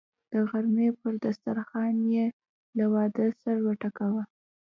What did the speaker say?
د غرمې پر دسترخان یې له وعدو سر وټکاوه.